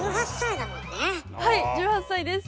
はい１８歳です。